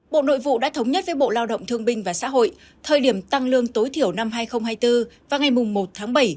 bộ nội vụ đã thống nhất với bộ lao động thương binh và xã hội thời điểm tăng lương tối thiểu năm hai nghìn hai mươi bốn và ngày một tháng bảy